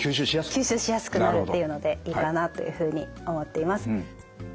吸収しやすくなるっていうのでいいかなというふうに思っています。